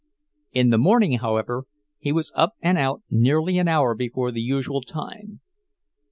In the morning, however, he was up and out nearly an hour before the usual time.